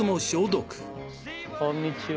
こんにちは。